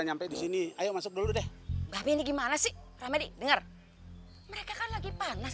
nyampe di sini ayo masuk dulu deh babi ini gimana sih rame didengar mereka kan lagi panas